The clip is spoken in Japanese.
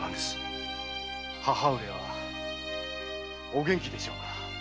母上はお元気でしょうか？